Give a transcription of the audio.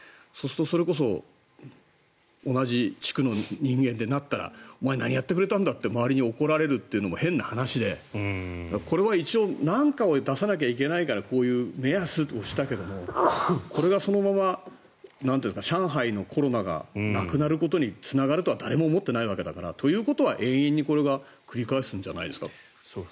そうすると、それこそ同じ地区の人間でなったらお前何やってくれたんだと周りに怒られるというのも変な話で、これは一応何かを出さなきゃいけないからこういう目安としたけれどもこれがそのまま上海のコロナがなくなることにつながるとは誰も思っていないわけだからということは延々とこれが繰り返すんじゃないですか。